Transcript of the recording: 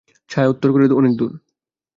ছায়া উত্তর করে, অনেক দূর।